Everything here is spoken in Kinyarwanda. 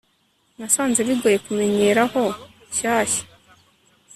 nasanze bigoye kumenyera aho nshyashya